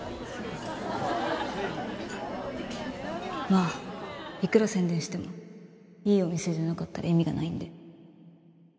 まあいくら宣伝してもいいお店じゃなかったら意味がないんで。